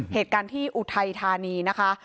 เหตุการณ์ที่อุทัยธานีนะคะ